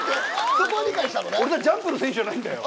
俺たちジャンプの選手じゃないんだよ。